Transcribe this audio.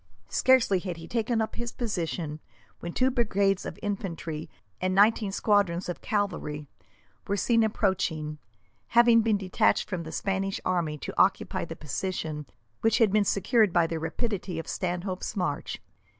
Scarcely had he taken up his position when two brigades of infantry and nineteen squadrons of cavalry were seen approaching, having been detached from the Spanish army to occupy the position which had been secured by the rapidity of Stanhope's march.